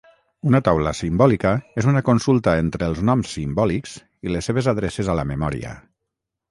Una taula simbòlica és una consulta entre els noms simbòlics i les seves adreces a la memòria.